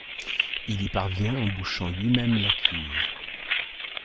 Il y parvient en bouchant lui-même la cuve.